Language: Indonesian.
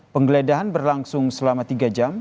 penggeledahan berlangsung selama tiga jam